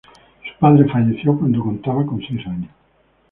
Su padre falleció cuando contaba con seis años.